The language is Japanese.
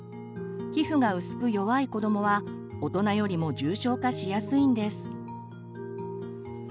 皮膚が薄く弱い子どもは大人よりも重症化しやすいんです。